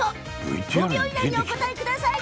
船越さん５秒以内にお答えください。